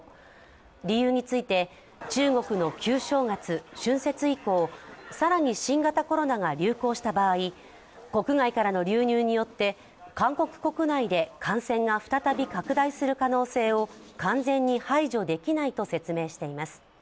理由について、中国の旧正月・春節以降更に新型コロナが流行した場合、国外からの流入によって韓国国内で感染が再び拡大する可能性を完全に排除できないと説明しています。